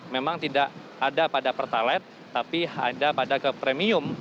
memang tidak ada pada pertalite tapi ada pada ke premium